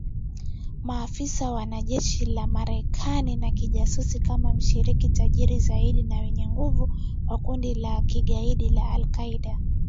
Maafisa wa jeshi la Marekani na kijasusi kama mshirika tajiri zaidi na mwenye nguvu wa kundi la kigaidi la al-Qaida.